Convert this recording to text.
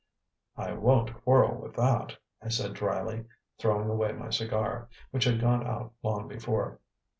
"I won't quarrel with that," I said drily, throwing away my cigar, which had gone out long before.